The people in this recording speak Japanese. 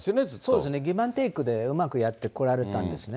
そうですね、ギブ＆テイクでうまくやってこられたんですね。